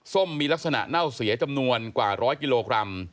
ส้มมีลักษณะเน่าเสียจำนวนกว่าร้อยกิโลกรัม